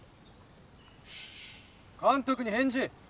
監督に返事！